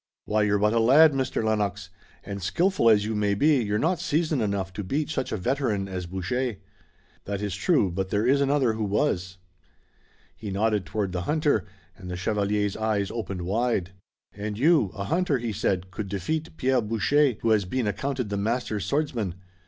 Why, you're but a lad, Mr. Lennox, and skillful as you may be you're not seasoned enough to beat such a veteran as Boucher!" "That is true, but there is another who was." He nodded toward the hunter and the chevalier's eyes opened wide. "And you, a hunter," he said, "could defeat Pierre Boucher, who has been accounted the master swordsman!